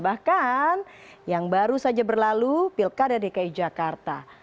bahkan yang baru saja berlalu pilkada dki jakarta